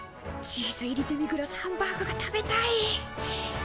チーズ入りデミグラスハンバーグが食べたい！